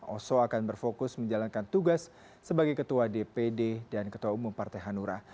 oso akan berfokus menjalankan tugas sebagai ketua dpd dan ketua umum partai hanura